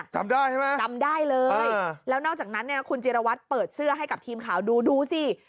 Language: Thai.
จำได้ใช่ไหมจำได้เลยแล้วนอกจากนั้นเนี่ยนะคุณจิรวัตรเปิดเสื้อให้กับทีมข่าวดูดูสิ